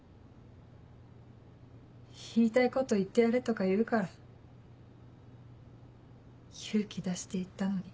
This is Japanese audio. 言いたいこと言ってやれとか言うから勇気出して行ったのに。